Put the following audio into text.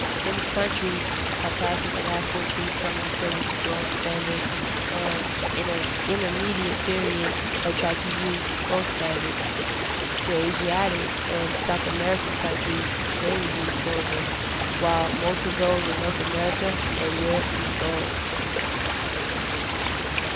Many countries have passed in the last century from the silver to the gold standard, and in an intermediate period have tried to use both standards. The Asiatic and South American countries mainly use silver, while most of those in North America and Europe use gold.